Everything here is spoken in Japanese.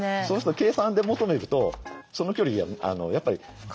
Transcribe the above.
そうすると計算で求めるとその距離はやっぱり。